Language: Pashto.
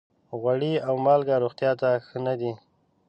غوړي او مالګه روغتیا ته ښه نه دي.